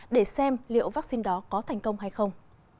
để xem liệu vắc xin đó có thành công hay không